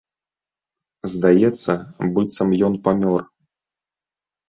Здаецца, быццам ён памёр.